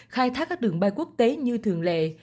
khai thác các đường bay quốc tế như thường lệ